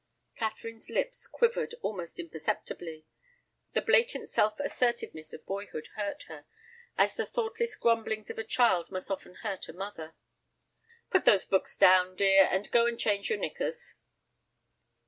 Catherine's lips quivered almost imperceptibly. The blatant self assertiveness of boyhood hurt her, as the thoughtless grumblings of a child must often hurt a mother. "Put those books down, dear, and go and change your knickers."